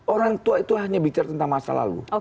orang tua itu hanya bicara tentang masa lalu